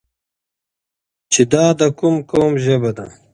چې دا د کوم قوم ژبه ده؟